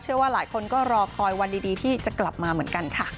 เชื่อว่าหลายคนก็รอคอยวันดีที่จะกลับมาเหมือนกันค่ะ